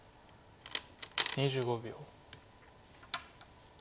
２５秒。